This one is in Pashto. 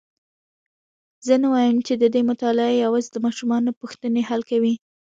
زه نه وایم چې ددې مطالعه یوازي د ماشومانو پوښتني حل کوي.